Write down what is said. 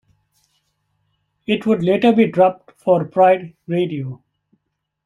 It would later be dropped for Pride Radio.